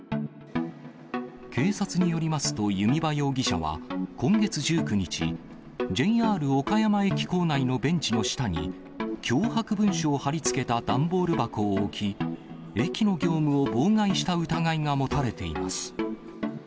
警察によりますと、弓場容疑者は今月１９日、ＪＲ岡山駅構内のベンチの下に、脅迫文書を貼り付けた段ボール箱を置き、駅の業務を妨害した疑いが持たれています。